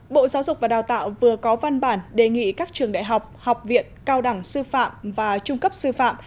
bộ giáo dục và đào tạo vừa có văn bản đề nghị các trường đại học học viện cao đẳng sư phạm và trung cấp sư phạm